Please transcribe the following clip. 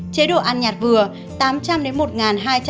chế độ ăn nhạt vừa tám trăm linh một nghìn hai trăm linh mg natri mỗi ngày